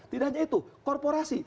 tidak hanya itu korporasi